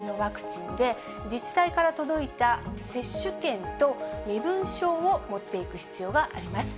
使われているのはファイザー製のワクチンで、自治体から届いた接種券と身分証を持っていく必要があります。